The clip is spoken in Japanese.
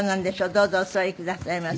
どうぞお座りくださいませ。